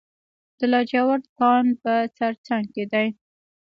د لاجورد کان په سرسنګ کې دی